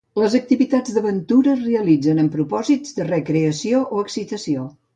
Les activitats d'aventura es realitzen amb propòsits de recreació o excitació.